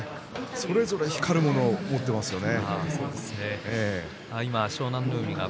それぞれ光るものを持っていますよね。